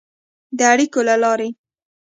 د اړیکو له لارې